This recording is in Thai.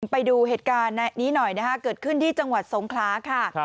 ไปดูเหตุการณ์นี้หน่อยนะคะเกิดขึ้นที่จังหวัดสงคลาค่ะ